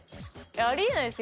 あり得ないです